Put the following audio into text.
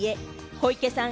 小池さん